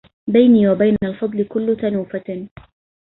بيني وبين الفضل كل تنوفة